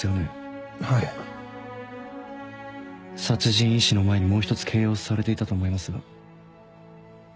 殺人医師の前にもう一つ形容されていたと思いますが。